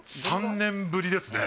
３年ぶりですね